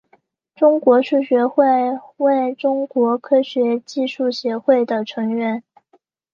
中国数学会为中国科学技术协会的成员。